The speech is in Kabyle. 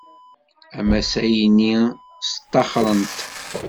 Amasay-nni sṭaxren-t.